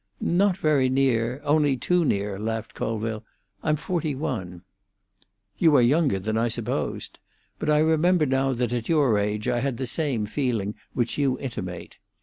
"Not very near—only too near," laughed Colville. "I'm forty one." "You are younger than I supposed. But I remember now that at your age I had the same feeling which you intimate.